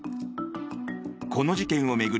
この事件を巡り